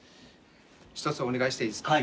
１つお願いしていいですか？